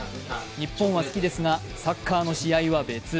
日本は好きですがサッカーの試合は別。